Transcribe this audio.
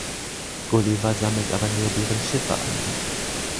Gulliver sammelt aber nur deren Schiffe ein.